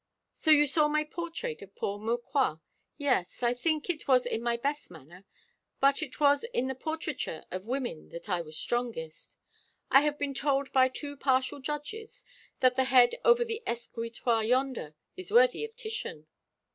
So you saw my portrait of poor Maucroix? Yes, I think it was in my best manner. But it was in the portraiture of women that I was strongest. I have been told by too partial judges that the head over the escritoire yonder is worthy of Titian."